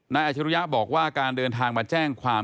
อาชรุยะบอกว่าการเดินทางมาแจ้งความ